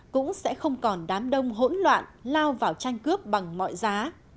cũng sẽ không còn đám đông hỗn loạn lao vào tranh cướp bằng mọi giá